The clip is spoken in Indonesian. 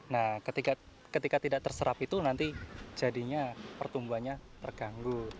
nah ketika tidak terserap itu nanti jadinya pertumbuhannya terganggu